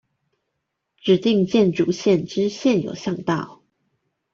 指定建築線之現有巷道